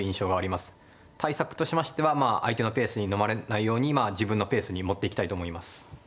対策としましてはまあ相手のペースにのまれないように自分のペースに持っていきたいと思います。